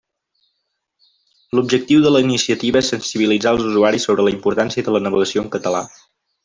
L'objectiu de la iniciativa és sensibilitzar els usuaris sobre la importància de la navegació en català.